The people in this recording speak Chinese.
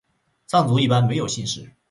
藏族一般没有姓氏。